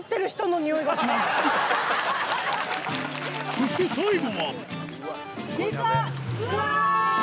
そして最後はうわぁ！